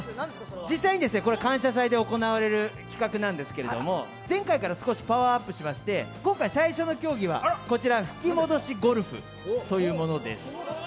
実際にこれは「感謝祭」で行われる企画なんですけど、前回から少しパワーアップしまして今回、最初の競技はこちら「吹き戻しゴルフ」というものです。